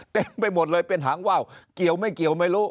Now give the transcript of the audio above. เต็มไปหมดเลยเป็นหางว่าวเกี่ยวไม่เกี่ยวไม่รู้